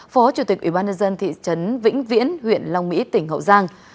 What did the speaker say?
phó chủ tịch ủy ban nhân dân thị trấn vĩnh viễn huyện long mỹ tỉnh hậu giang